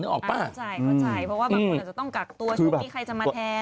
เข้าใจเพราะว่าคนอาจจะต้องกักตัวช่วงนี้ใครจะมาแทน